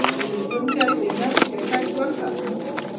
پیرودونکی د نرخ ټکټ وکت.